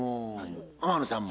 天野さんも？